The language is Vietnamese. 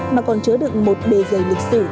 mà còn chứa được một bề dày lịch sử